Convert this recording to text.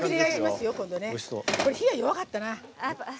火が弱かったな。